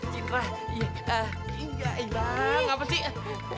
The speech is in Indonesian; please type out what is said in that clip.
ya allah gak apa sih